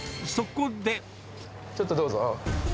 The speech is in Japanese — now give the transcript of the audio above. ちょっとどうぞ。